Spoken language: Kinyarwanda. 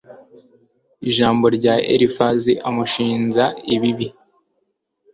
Ijambo rya rya Elifazi amushinja ibibi